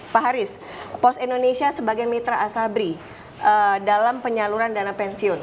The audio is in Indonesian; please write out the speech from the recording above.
pak haris pos indonesia sebagai mitra asabri dalam penyaluran dana pensiun